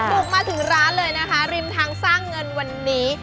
บุกมาถึงร้านเลยนะคะริมทางสร้างเงินวันนี้